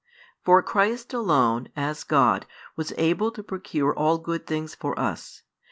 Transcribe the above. For Christ alone, as God, was able to procure all good things for us.